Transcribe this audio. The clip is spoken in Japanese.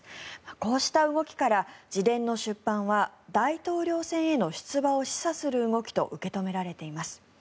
こうした動きから自伝の出版は大統領選への出馬を示唆する動きと受け止められています。